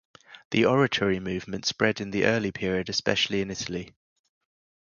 The Oratory movement spread in the early period especially in Italy.